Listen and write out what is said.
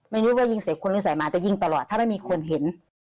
ไม่รู้ว่ายิงใส่คนหรือใส่หมาจะยิงตลอดถ้าไม่มีคนเห็น